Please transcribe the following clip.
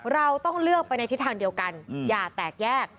เราต้องเลือกไปในทิศทางเดียวกันอย่าแตกแยก